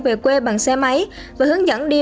về quê bằng xe máy và hướng dẫn đi